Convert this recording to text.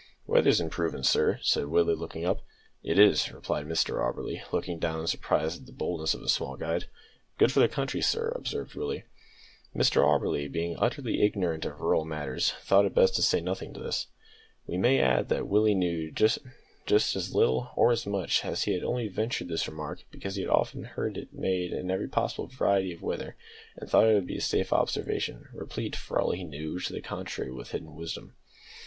"Weather's improvin', sir," said Willie, looking up. "It is," replied Mr Auberly, looking down in surprise at the boldness of his small guide. "Good for the country, sir," observed Willie. Mr Auberly, being utterly ignorant of rural matters, thought it best to say nothing to this. We may add that Willie knew just as little (or as much), and had only ventured the remark because he had often heard it made in every possible variety of weather, and thought that it would be a safe observation, replete, for all he knew to the contrary, with hidden wisdom.